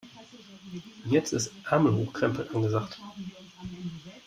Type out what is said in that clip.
Jetzt ist Ärmel hochkrempeln angesagt.